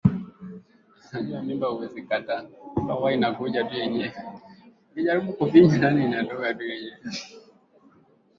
mkongwe katika utunzi Na ilivyokuwa anaitwa Mzee Yusuf unaweza udhani ni mzee kweli